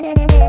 kau mau kemana